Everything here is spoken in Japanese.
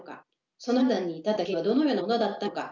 その判断に至った経緯はどのようなものだったのか？